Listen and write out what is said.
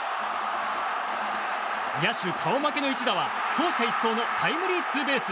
野手顔負けの一打は走者一掃のタイムリーツーベース。